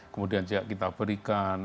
kemudian kita berikan